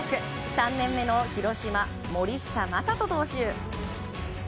３年目の広島、森下暢仁投手。